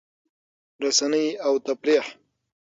رسنۍ او تفریح